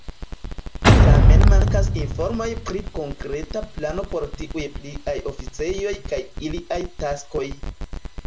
Tamen mankas informoj pri konkreta plano por tiuj "pliaj oficejoj" kaj iliaj taskoj.